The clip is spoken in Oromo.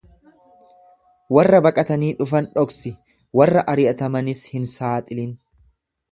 Warra baqatanii dhufan dhoksi, warra ari'atamanis hin saaxilin.